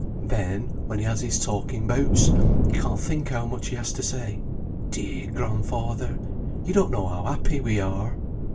Then, when he has his talking bouts, you can't think how much he has to say. Dear grandfather! you don't know how happy we are!"